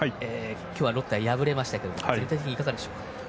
今日はロッテは敗れましたけれども全体的にいかがでしたか。